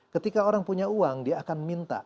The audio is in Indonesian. ketika orang punya uang dia akan minta